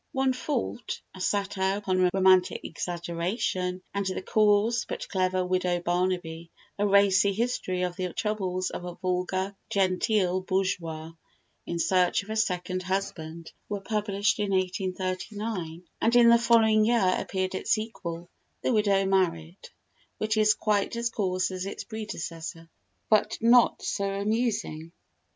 "One Fault," a satire upon romantic exaggeration; and the coarse, but clever "Widow Barnaby," a racy history of the troubles of a vulgar genteel bourgeoise in search of a second husband, were published in 1839; and in the following year appeared its sequel, "The Widow Married," which is quite as coarse as its predecessor, but not so amusing.